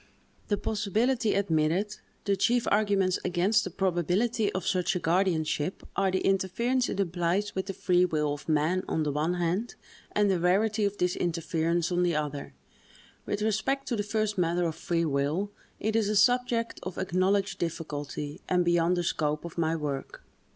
The possibility admitted, the chief arguments against the probability of such a guardianship, are the interference it implies with the free will of man, on the one hand, and the rarity of this interference, on the other. With respect to the first matter of free will, it is a subject of acknowledged difficulty, and beyond the scope of my work.